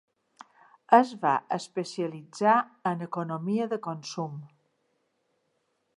Es va especialitzar en economia de consum.